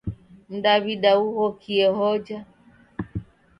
Mdaw'ida ughokie hojha.